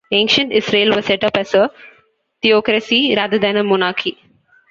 Ancient Israel was set up as a theocracy, rather than a monarchy.